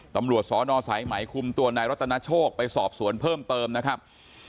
ตำรวจสนสายไหมคุมตัวนายรัตนาโชคไปสอบสวนเพิ่มเติมนะครับ